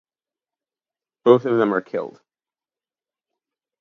Both of them are killed.